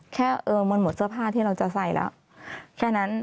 เออมันหมดเสื้อผ้าที่เราจะใส่แล้วแค่นั้น